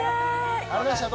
ありがとうございます。